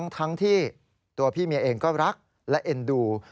ทั้งที่ตัวพี่เมียเองก็รักและเอ็นดู